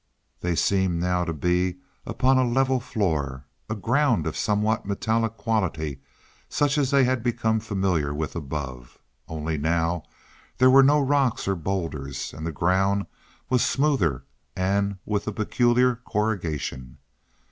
They seemed now to be upon a level floor a ground of somewhat metallic quality such as they had become familiar with above. Only now there were no rocks or bowlders, and the ground was smoother and with a peculiar corrugation.